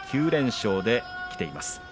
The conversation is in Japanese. ９連勝できています